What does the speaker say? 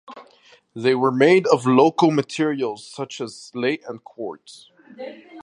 They were made of local materials such as slate and quartz.